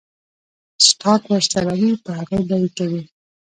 سټاک ورسره وي پۀ هغې به يې کوي ـ